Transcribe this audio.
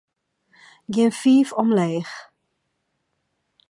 Gean fiif omleech.